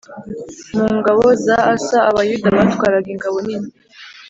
Mu ngabo za asa abayuda batwaraga ingabo nini